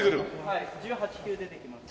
はい１８球出てきます。